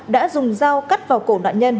đã dùng dao cắt vào cổ nạn nhân